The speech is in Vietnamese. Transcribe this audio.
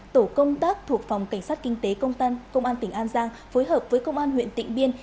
tổ công tác thuộc phòng cảnh sát kinh tế công tân công an tỉnh an giang phối hợp với công an huyện tịnh biên